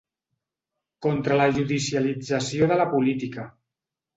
Contra la judicialització de la política.